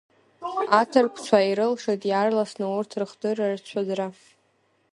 Аҭырқәцәа ирылшоит иаарласны урҭ рыхдырра рцәырӡра.